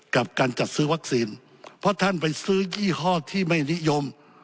กับการจัดซื้อวัคซีนเพราะท่านไปซื้อยี่ห้อที่ไม่นิยม